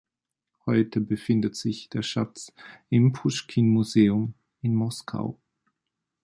Heute befindet sich der Schatz im Puschkin-Museum in Moskau.